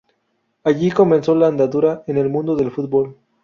Allí comenzó la andadura en el mundo del fútbol.